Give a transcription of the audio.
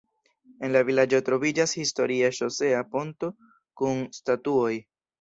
En la vilaĝo troviĝas historia ŝosea ponto kun statuoj.